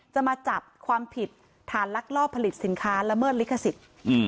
มาจับความผิดฐานลักลอบผลิตสินค้าละเมิดลิขสิทธิ์